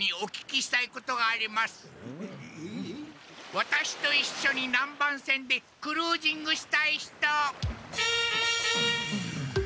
ワタシといっしょに南蛮船でクルージングしたい人！